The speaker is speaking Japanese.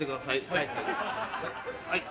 はい。